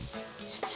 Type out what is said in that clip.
saya memang insik tota